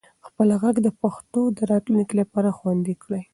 خپل ږغ د پښتو د راتلونکي لپاره خوندي کړئ.